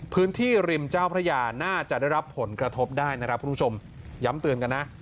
ริมเจ้าพระยาน่าจะได้รับผลกระทบได้นะครับคุณผู้ชมย้ำเตือนกันนะ